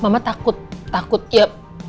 mama takut takut ya